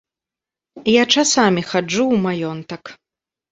Я часамі хаджу ў маёнтак.